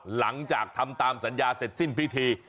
หลังจากทำตามสัญญาเสร็จสิ้นพิธี